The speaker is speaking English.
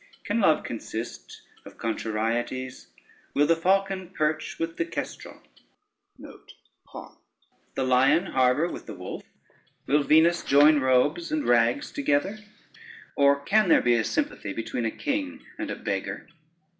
Can love consist of contrarieties? Will the falcon perch with the kestrel, the lion harbor with the wolf? Will Venus join robes and rags together, or can there be a sympathy between a king and a beggar?